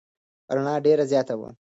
رڼا ډېره زیاته وه.